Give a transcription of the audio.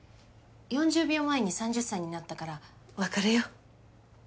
４０秒前に３０歳になったから別れよう。